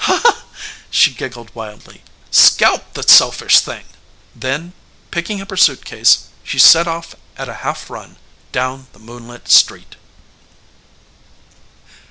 "Huh," she giggled wildly. "Scalp the selfish thing!" Then picking up her staircase she set off at a half run down the moonlit street.